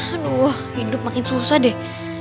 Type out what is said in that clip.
aduh wah hidup makin susah deh